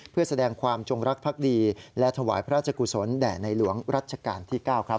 เพื่อแสดงความจงรักภักดีและถวายพระราชกุศลแด่ในหลวงรัชกาลที่๙ครับ